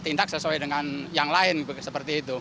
tindak sesuai dengan yang lain seperti itu